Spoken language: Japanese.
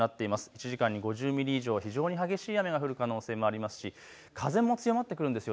１時間に５０ミリ以上、非常に激しい雨が降る可能性もありますし風も強まってくるんです。